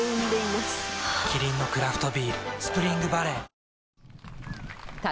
キリンのクラフトビール「スプリングバレー」他